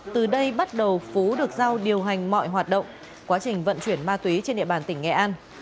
từ đây bắt đầu phú được giao điều hành mọi hoạt động quá trình vận chuyển ma túy trên địa bàn tỉnh nghệ an